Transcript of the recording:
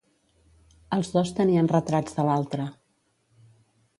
Els dos tenien retrats de l'altre.